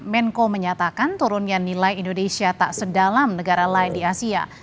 menko menyatakan turunnya nilai indonesia tak sedalam negara lain di asia